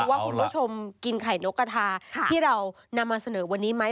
ว่าคุณผู้ชมกินไข่นกกระทาที่เรานำมาเสนอวันนี้ไหม